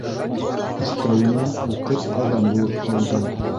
Өҫтәүенә, уҡып әҙәм булып алды.